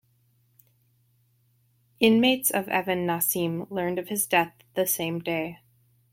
Inmates of Evan Naseem learned of his death the same day.